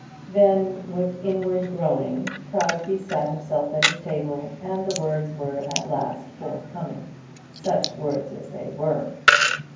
Then, with inward groaning, Crosbie sat himself at his table, and the words at last were forthcoming. Such words as they were!